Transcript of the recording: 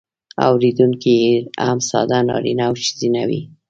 اوریدونکي یې هم ساده نارینه او ښځینه وي.